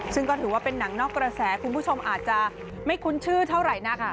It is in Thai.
ซึ่งก็ถือว่าเป็นหนังนอกกระแสคุณผู้ชมอาจจะไม่คุ้นชื่อเท่าไหร่นัก